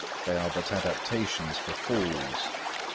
They are but adaptations for fools.